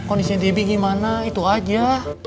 kondisinya debbie gimana itu aja